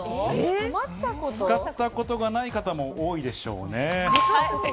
使ったことがない方も多いでしょうね。